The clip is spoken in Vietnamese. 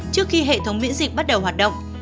trước khi hệ thống miễn dịch bắt đầu hoạt động